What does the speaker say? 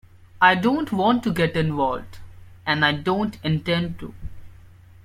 I don’t want to get involved, and I don't intend to.